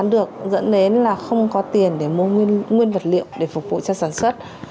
được dẫn đến là không có tiền để mua nguyên vật liệu để phục vụ cho sản xuất